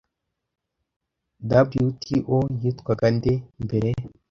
WTO yitwaga nde mbere